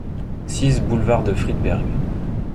six boulevard de Friedberg